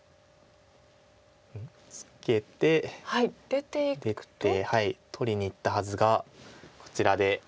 ツケて出て取りにいったはずがこちらで。